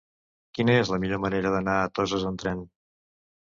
Quina és la millor manera d'anar a Toses amb tren?